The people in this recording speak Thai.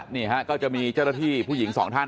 นี่ฮะก็จะมีเจ้าหน้าที่ผู้หญิงสองท่าน